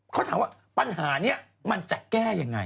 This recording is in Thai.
เขาถามว่าปัญหานี้มันจะแก้ยังไง